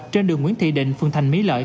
trên đường nguyễn thị định phường thành mý lợi